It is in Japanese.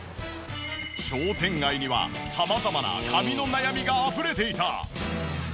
商店街には様々な髪の悩みがあふれていた。